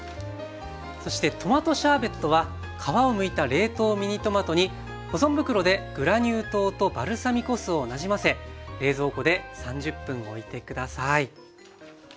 そしてトマトシャーベットは皮をむいた冷凍ミニトマトに保存袋でグラニュー糖とバルサミコ酢をなじませ冷蔵庫で３０分おいて下さい。